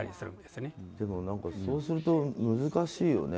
でも、そうすると難しいよね。